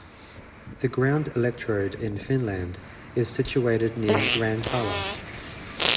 The ground electrode in Finland is situated near Rantala.